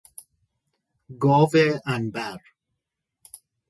گاو عنبر